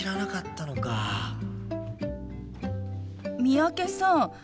三宅さん